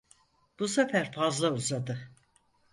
Bu sefer fazla uzadı!